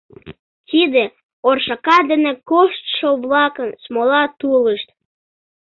Тиде — оршака дене коштшо-влакын смола тулышт.